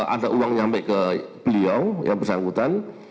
ada uang nyampe ke beliau yang bersangkutan